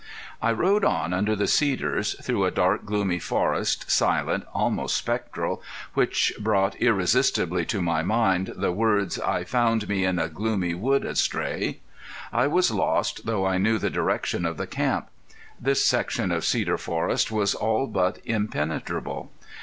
I rode on under the cedars, through a dark, gloomy forest, silent, almost spectral, which brought irresistibly to my mind the words "I found me in a gloomy wood astray." I was lost though I knew the direction of the camp. This section of cedar forest was all but impenetrable.